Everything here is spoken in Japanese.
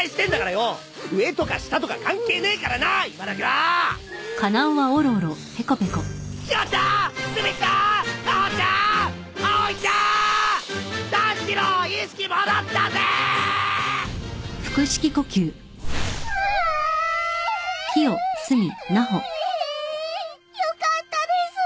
よかったです。